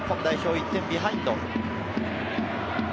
１点ビハインド。